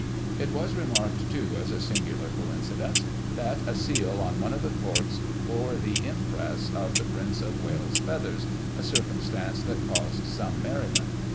It was remarked, too, as a singular coin cidence, that a seal on one of the corks bore the impress of the Prince of Wales*s feathers, a circumstance that caused some merriment.